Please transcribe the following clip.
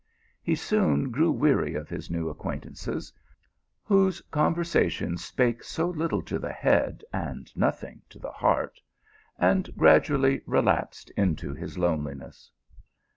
He soon grew weary of his new acquaintances, whose conver sation spake so little to the head and nothing to the heart ; and gradually relapsed into his loneliness.